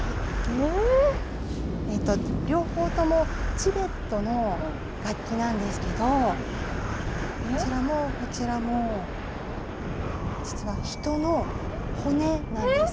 えっと両方ともチベットの楽器なんですけどこちらもこちらも実は人の骨なんです。